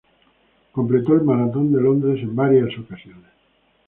Completó el Maratón de Londres en varias ocasiones.